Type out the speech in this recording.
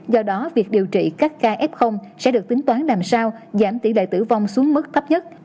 do đó việc điều trị các ca f sẽ được tính toán làm sao giảm tỷ lệ tử vong xuống mức thấp nhất